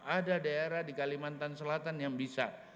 ada daerah di kalimantan selatan yang bisa